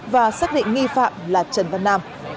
và xác định nghi phạm là trần văn nam